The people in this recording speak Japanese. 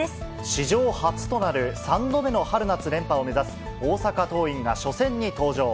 史上初となる３度目の春夏連覇を目指す大阪桐蔭が初戦に登場。